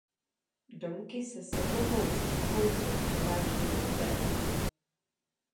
Domky se sedlovou střechou jsou převážně roubené.